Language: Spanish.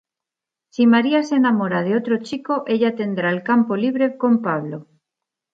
Si María se enamora de otro chico, ella tendrá el campo libre con Pablo.